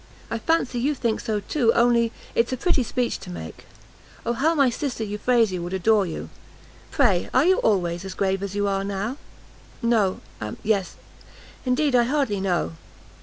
I fancy you think so too, only it's a pretty speech to make. Oh how my sister Euphrasia would adore you! Pray are you always as grave as you are now?" "No, yes, indeed I hardly know."